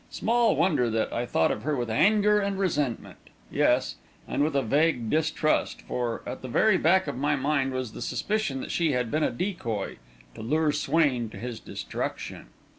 Small wonder that I thought of her with anger and resentment, yes, and with a vague distrust, for, at the very back of my mind was the suspicion that she had been a decoy to lure Swain to his destruction.